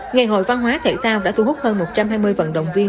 ngày hội văn hóa thể thao đã thu hút hơn một trăm hai mươi vận động viên